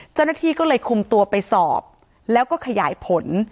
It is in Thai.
เจ้าหน้าที่ก็เลยคุมตัวไปสอบแล้วก็ขยายผล